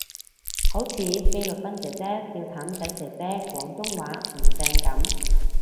好似菲律賓姐姐笑譚仔姐姐廣東話唔正噉